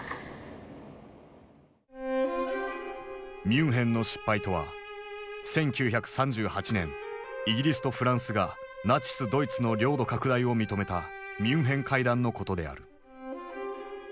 「ミュンヘンの失敗」とは１９３８年イギリスとフランスがナチスドイツの領土拡大を認めたミュンヘン会談のことである。